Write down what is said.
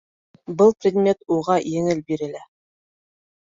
Был предмет уға еңел бирелә